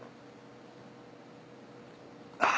あ。